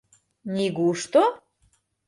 — Нигушто?